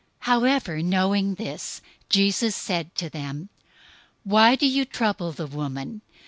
026:010 However, knowing this, Jesus said to them, "Why do you trouble the woman?